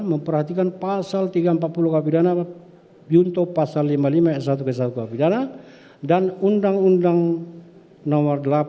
memperhatikan pasal tiga ratus empat puluh kabin dana yunto pasal lima puluh lima s satu k satu kabin dana dan undang undang nomor delapan tahun seribu sembilan ratus delapan puluh satu